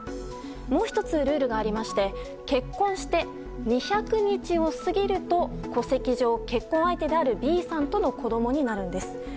もう１つルールがありまして結婚して２００日を過ぎると戸籍上、結婚相手であるＢさんとの子供になるんです。